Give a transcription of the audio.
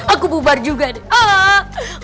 aku bubar juga deh